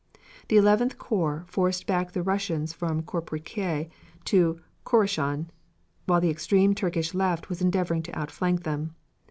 The Eleventh corps forced back the Russians from Koprikeui to Khorasan, while the extreme Turkish left was endeavoring to outflank them.